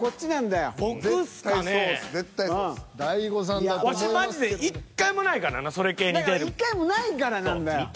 だから１回もないからなんだよ。